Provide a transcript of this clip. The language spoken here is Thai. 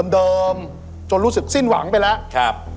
เดิมจนรู้สึกสิ้นหวังไปแล้ว